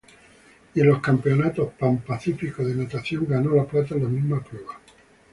Y en los Campeonato Pan-Pacífico de Natación ganó la plata en la misma prueba.